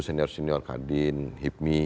senior senior kadin hibmi